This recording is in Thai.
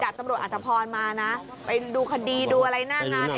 ตำรวจอัตภพรมานะไปดูคดีดูอะไรหน้างานเนี่ย